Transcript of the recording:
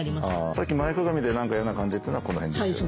さっき前かがみで何か嫌な感じというのはこの辺ですよね？